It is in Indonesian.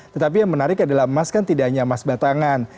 tetapi yang menarik adalah emas kan tidak hanya emas batangan